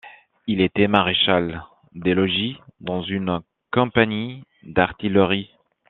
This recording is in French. Il était maréchal des logis dans une compagnie d'artillerie.